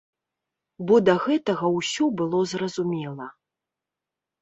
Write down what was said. Бо да гэтага ўсё было зразумела.